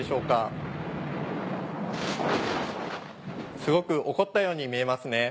すごく怒ったように見えますね。